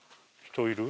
人いる？